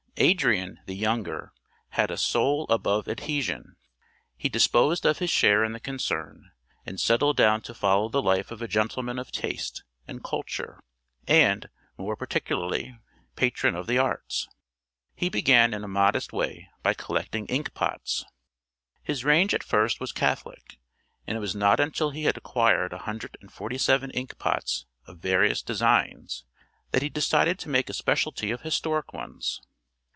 Adrian, the younger, had a soul above adhesion. He disposed of his share in the concern and settled down to follow the life of a gentleman of taste and culture and (more particularly) patron of the arts. He began in a modest way by collecting ink pots. His range at first was catholic, and it was not until he had acquired a hundred and forty seven ink pots of various designs that he decided to make a specialty of historic ones.